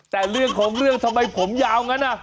แต่เรื่องของเรื่องทำไมผมยาวงั้น